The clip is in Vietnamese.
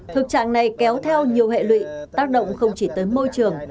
thực trạng này kéo theo nhiều hệ lụy tác động không chỉ tới môi trường